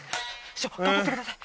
師匠頑張ってください